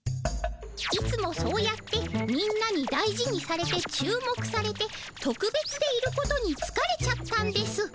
いつもそうやってみんなに大事にされて注目されてとくべつでいることにつかれちゃったんです。